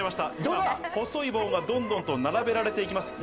細い棒がどんどん並べられていきます。